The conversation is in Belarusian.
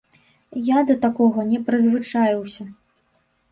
Я да такога не прызвычаіўся.